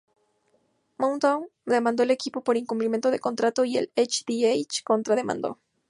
Motown demandó al equipo por incumplimiento de contrato, y H-D-H contra demandó.